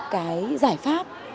cái giải pháp